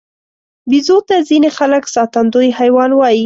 بیزو ته ځینې خلک ساتندوی حیوان وایي.